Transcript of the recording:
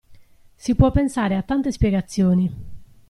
Si può pensare a tante spiegazioni!